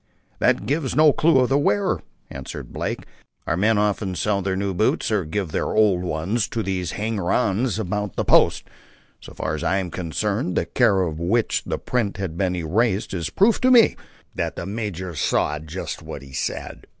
"That gives no clue to the wearer," answered Blake. "Our men often sell their new boots, or give their old ones, to these hangers on about the post. So far as I'm concerned, the care with which the print has been erased is proof to me that the major saw just what he said.